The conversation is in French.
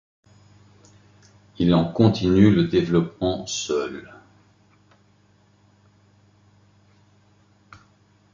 Il en continue le développement seul.